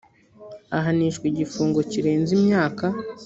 ahanishwa igifungo kirenze imyaka